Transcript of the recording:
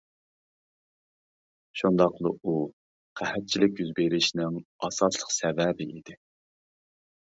شۇنداقلا ئۇ، قەھەتچىلىك يۈز بېرىشنىڭ ئاساسلىق سەۋەبى ئىدى.